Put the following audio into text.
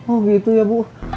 oh gitu ya bu